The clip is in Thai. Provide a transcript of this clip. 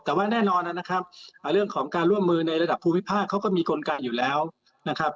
แต่ว่าแน่นอนนะครับเรื่องของการร่วมมือในระดับภูมิภาคเขาก็มีกลไกอยู่แล้วนะครับ